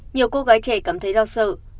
nhiều cô gái trẻ cảm thấy lo sợ